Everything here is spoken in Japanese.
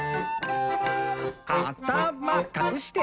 「あたまかくして！」